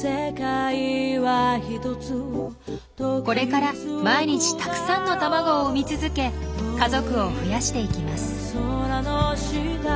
これから毎日たくさんの卵を産み続け家族を増やしていきます。